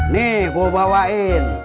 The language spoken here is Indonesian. nih gue bawain